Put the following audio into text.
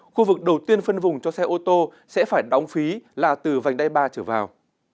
khu vực đầu tiên phân vùng cho xe ô tô sẽ phải đóng phí là từ vành đai ba trở vào